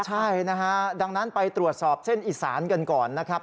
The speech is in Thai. ใช่นะฮะดังนั้นไปตรวจสอบเส้นอีสานกันก่อนนะครับ